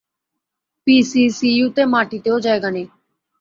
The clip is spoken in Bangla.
পিসিসিইউতে মাটিতেও জায়গা নেই।